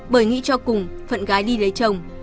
bởi nghĩ cho cùng phận gái đi lấy chồng